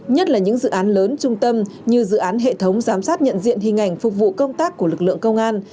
nhất là những dự án lớn trung tâm như dự án hệ thống giám sát nhận diện hình ảnh phục vụ công tác của lực lượng công an